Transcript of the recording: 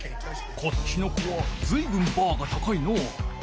こっちの子はずいぶんバーが高いのう。